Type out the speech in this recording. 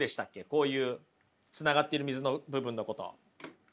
こういうつながっている水の部分のこと。